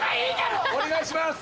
お願いします